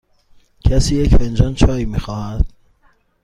کسی یک فنجان چای می خواهد؟